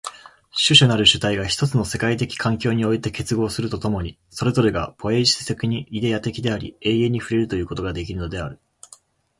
種々なる主体が一つの世界的環境において結合すると共に、それぞれがポイエシス的にイデヤ的であり、永遠に触れるということができるのである。